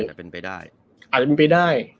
อาจจะเป็นไปได้